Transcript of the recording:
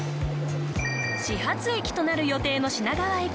始発駅となる予定の品川駅